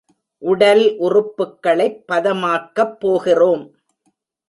உடல் உறுப்புக்களைப் பதமாக்கப் போகிறோம்.